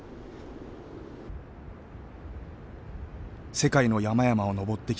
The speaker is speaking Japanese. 世界の山々を登ってきた山野井さん